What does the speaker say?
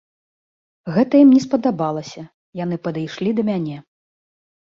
Гэта ім не спадабалася, яны падышлі да мяне.